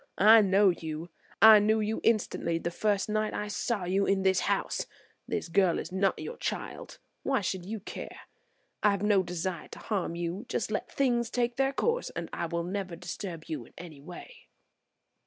I know you; I knew you instantly the first night I saw you in this house. This girl is not your child; why should you care. I have no desire to harm you. Just let things take their course and I will never disturb you in any way."